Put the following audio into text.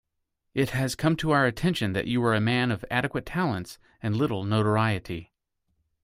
It has come to our attention that you are a man of adequate talents and little notoriety.